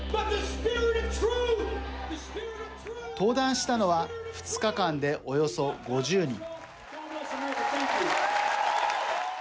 登壇したのは２日間で、およそ５０人。